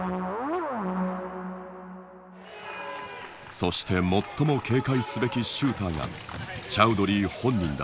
そして最も警戒すべきシューターがチャウドリー本人だ。